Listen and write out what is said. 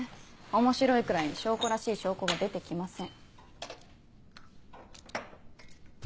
面白いくらいに証拠らしい証拠が出て来ません。